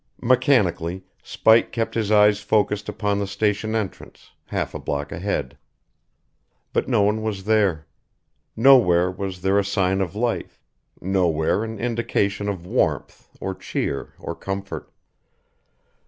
Mechanically Spike kept his eyes focused upon the station entrance, half a block ahead. But no one was there. Nowhere was there a sign of life, nowhere an indication of warmth or cheer or comfort.